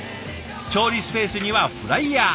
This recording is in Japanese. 調理スペースにはフライヤー。